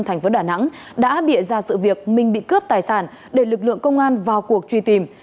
thành phố đà nẵng đã bịa ra sự việc minh bị cướp tài sản để lực lượng công an vào cuộc truy tìm